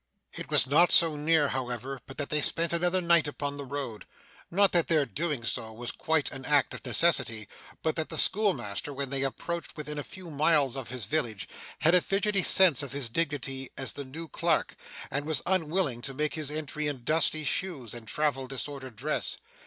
It was not so near, however, but that they spent another night upon the road; not that their doing so was quite an act of necessity, but that the schoolmaster, when they approached within a few miles of his village, had a fidgety sense of his dignity as the new clerk, and was unwilling to make his entry in dusty shoes, and travel disordered dress.